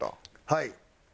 はい。